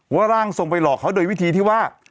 ร่างทรงไปหลอกเขาโดยวิธีที่ว่า